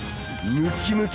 ムキ！ムキ！